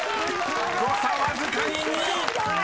［誤差わずかに２！］